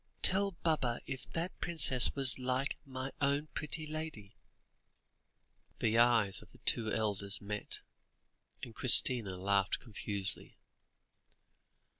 "Tell Baba if that princess was like mine own pretty lady." The eyes of the two elders met, and Christina laughed confusedly.